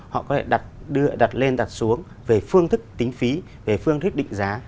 họ có thể đặt lên đặt xuống về phương thức tính phí về phương thức định giá